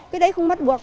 cái đấy không bắt buộc